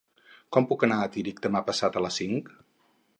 Com puc anar a Tírig demà passat a les cinc?